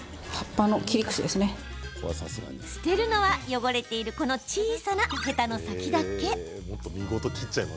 捨てるのは、汚れているこの小さなヘタの先だけ。